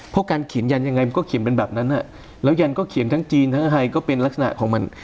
เพราะการเขียนยันยังไงมันก็เขียนเป็นแบบนั้นอ่ะแล้วยันก็เขียนทั้งจีนทั้งไทยก็เป็นลักษณะของมัน